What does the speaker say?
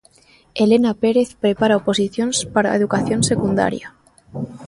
Elena Pérez, prepara oposicións para Educación Secundaria.